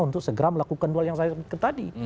untuk segera melakukan dua hal yang saya sebutkan tadi